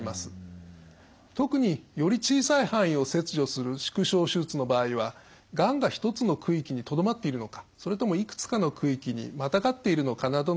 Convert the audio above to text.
特により小さい範囲を切除する縮小手術の場合はがんが１つの区域にとどまっているのかそれともいくつかの区域にまたがっているのかなどの確認を行う。